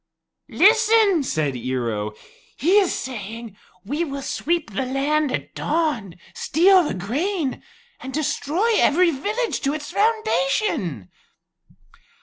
"Listen," said Ear o; "he is saying, 'We will sweep the land at dawn, steal the grain, and destroy every village to its foundation.'"